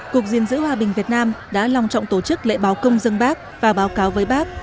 cục diện giữ hòa bình việt nam đã lòng trọng tổ chức lễ báo công dân bác và báo cáo với bác